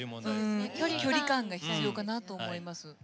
距離感が必要かなと思います。